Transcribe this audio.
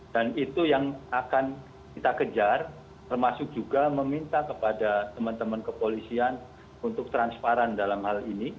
dan itu yang akan kita kejar termasuk juga meminta kepada teman teman kepolisian untuk transparan dalam hal ini